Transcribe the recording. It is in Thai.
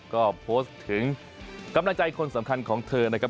ก็โพสต์ถึงกำลังใจคนสำคัญของเธอนะครับ